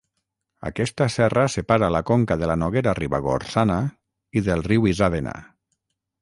Aquesta serra separa la conca de la Noguera Ribagorçana i del riu Isàvena.